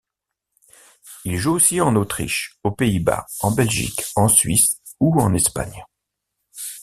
Il joue aussi en Autriche, aux Pays-Bas, en Belgique, en Suisse ou en Espagne.